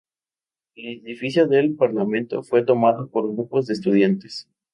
El edificio del parlamento fue tomado por grupos de estudiantes.